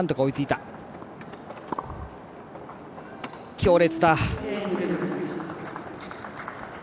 強烈だ。